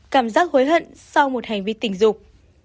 cảm giác hối hận sau một hành vi tình dục